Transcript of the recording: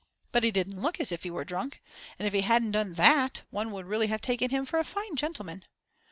But he didn't look as if he were drunk. And if he hadn't done that one would really have taken him for a fine gentleman.